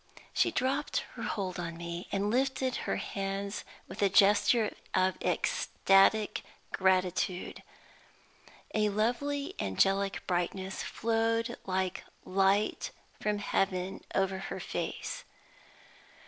She dropped her hold on me, and lifted her hands with a gesture of ecstatic gratitude. A lovely, angelic brightness flowed like light from heaven over her face.